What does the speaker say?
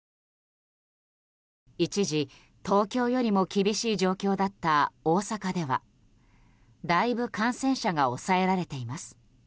一時、東京よりも厳しい状況だった大阪ではだいぶ感染者が抑えられています。